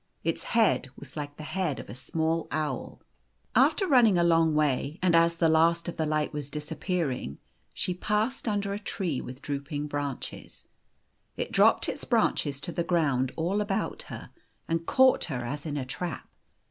Its head was like the head of a small owl. i So The Golden Key After ru lining a l<>n^ way, and as the last of the \vas disappearing, she passed under a live with ng brunches. It [)rop[>ed its branches to the ground all about her, and caught her as in a trap.